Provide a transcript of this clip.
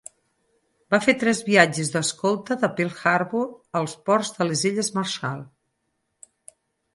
Va fer tres viatges d'escolta de Pearl Harbor als ports de les Illes Marshall.